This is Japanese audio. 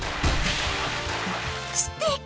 すてき！